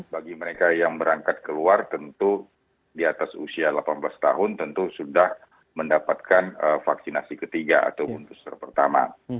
bagi mereka yang berangkat keluar tentu di atas usia delapan belas tahun tentu sudah mendapatkan vaksinasi ketiga ataupun booster pertama